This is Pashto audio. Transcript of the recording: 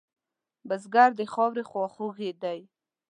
بزګر د خاورې خواخوږی دی